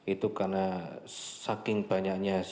itu karena saking banyaknya cyanida yang masuk